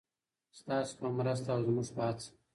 ستاسو په مرسته او زموږ په هڅه.